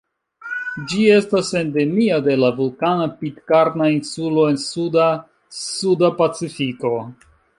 Ĝi estas endemia de la vulkana Pitkarna Insulo en suda Suda Pacifiko.